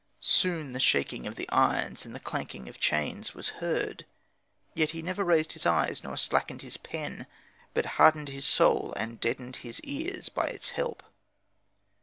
Soon the shaking of irons and the clanking of chains was heard, yet he never raised his eyes nor slackened his pen, but hardened his soul and deadened his ears by its help.